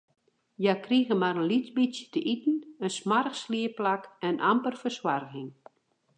Hja krigen mar in lyts bytsje te iten, in smoarch sliepplak en amper fersoarging.